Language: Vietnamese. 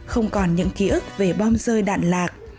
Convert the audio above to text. không còn những ký ức về bom rơi đạn lạc